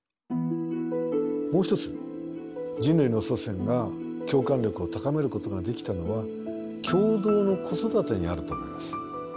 もう一つ人類の祖先が共感力を高めることができたのは共同の子育てにあると思います。